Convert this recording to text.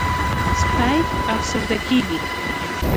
سپي افسرده کېږي.